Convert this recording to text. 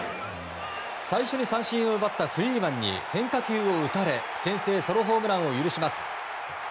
最初に三振を奪ったフリーマンに変化球を打たれ先制ソロホームランを許します。